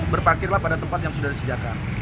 berparkirlah pada tempat yang sudah disediakan